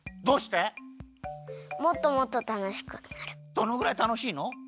どのぐらいたのしいの？